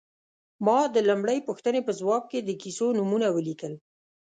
ما د لومړۍ پوښتنې په ځواب کې د کیسو نومونه ولیکل.